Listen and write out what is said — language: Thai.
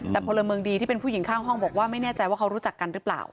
แต่พลเมืองดีที่เป็นผู้หญิงข้างห้องบอกว่าไม่แน่ใจว่าเขารู้จักกันหรือเปล่า